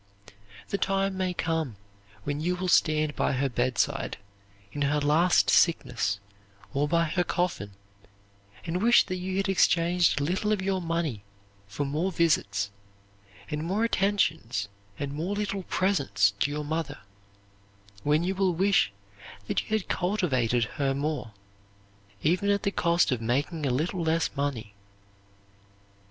The time may come when you will stand by her bedside, in her last sickness, or by her coffin, and wish that you had exchanged a little of your money for more visits and more attentions and more little presents to your mother; when you will wish that you had cultivated her more, even at the cost of making a little less money.